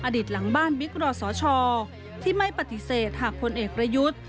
หลังบ้านบิ๊กรอสชที่ไม่ปฏิเสธหากพลเอกประยุทธ์